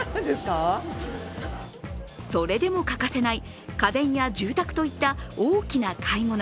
それでも欠かせない家電や住宅といった大きな買い物。